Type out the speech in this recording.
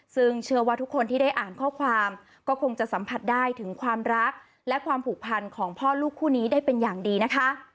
ซึ่งเชื่อว่าทุกคนที่ได้อ่านข้อความก็คงจะสัมผัสได้ถึงความรักและความผูกพันของพ่อลูกคู่นี้ได้เป็นอย่างดีนะคะ